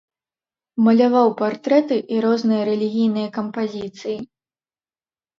Маляваў партрэты і розныя рэлігійныя кампазіцыі.